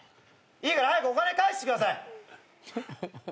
いいから早くお金返してください。